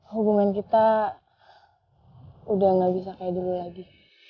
hubungan kita udah gak bisa kayak dulu lagi